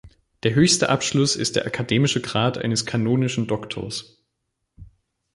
Der höchste Abschluss ist der akademische Grad eines kanonischen Doktors.